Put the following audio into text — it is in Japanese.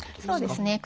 そうですね。